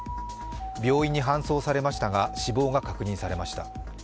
病院に搬送されましたが死亡が確認されました。